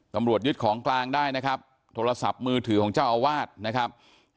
ตำรวจยึดของกลางได้นะครับโทรศัพท์มือถือของเจ้าอาวาสนะครับ